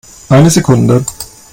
Eine Sekunde